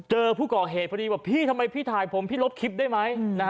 เจอผู้ก่อเหตุพอดีว่าพี่ทำไมพี่ถ่ายผมพี่ลบคลิปได้ไหม